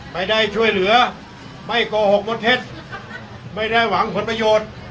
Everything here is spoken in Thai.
ไม่ได้ช่วยเหลือไม่โกหกบนเท็จไม่ได้หวังผลประโยชน์